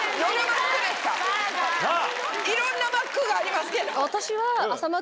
いろんなマックがありますけど。